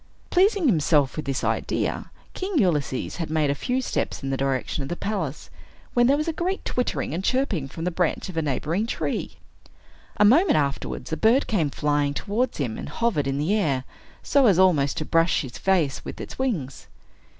Pleasing himself with this idea, King Ulysses had made a few steps in the direction of the palace, when there was a great twittering and chirping from the branch of a neighboring tree. A moment afterwards, a bird came flying towards him, and hovered in the air, so as almost to brush his face with its wings.